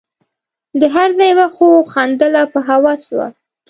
د هر ځای وښو خندله په هوس وه